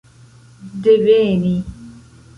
deveni